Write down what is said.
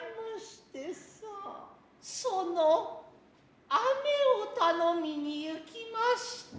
其の雨を頼みに行きました。